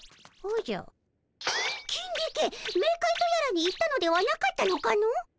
キンディケメーカイとやらに行ったのではなかったのかの？